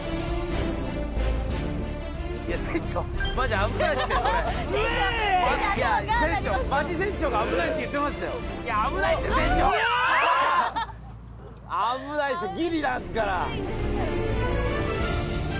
危ないですよギリなんですから。